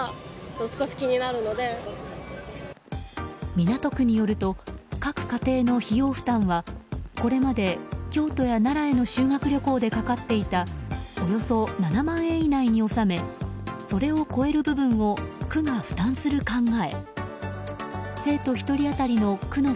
港区によると各家庭の費用負担はこれまで京都や奈良への修学旅行でかかっていたおよそ７万円以内に収めそれを超える部分を区が負担する考え。